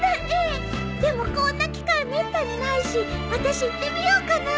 でもこんな機会めったにないし私行ってみようかな。